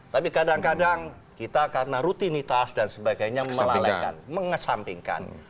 tapi kadang kadang kita karena rutinitas dan sebagainya melalaikan mengesampingkan